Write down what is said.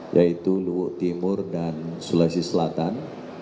yaitu luhut timur dan sulawesi selatan